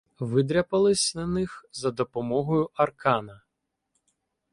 Видряпалися на них за допомогою аркана.